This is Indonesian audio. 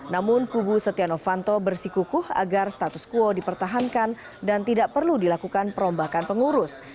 namun kubu setia novanto bersikukuh agar status quo dipertahankan dan tidak perlu dilakukan perombakan pengurus